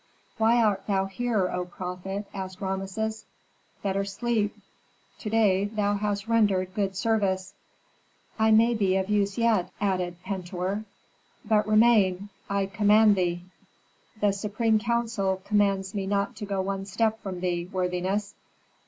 "Why art thou here, O prophet?" asked Rameses. "Better sleep to day thou hast rendered good service." "I may be of use yet," added Pentuer. "But remain I command thee " "The supreme council commands me not to go one step from thee, worthiness."